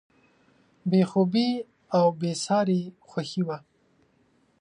بې خوبي او بېساري خوښي وه.